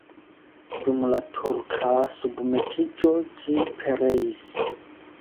Dum la turka submetiĝo ĝi pereis.